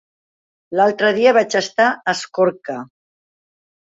L'altre dia vaig estar a Escorca.